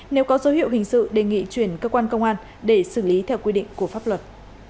nếu có dấu hiệu hình sự đề nghị chuyển cơ quan công an để xử lý theo quy định của pháp luật